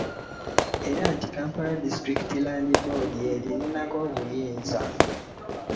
Era nti Kampala District Land Board y'eririnako obuyinza.